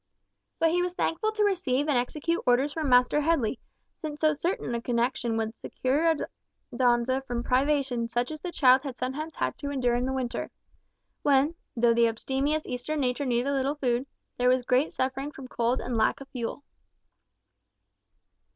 But he was thankful to receive and execute orders from Master Headley, since so certain a connection would secure Aldonza from privation such as the child had sometimes had to endure in the winter; when, though the abstemious Eastern nature needed little food, there was great suffering from cold and lack of fuel.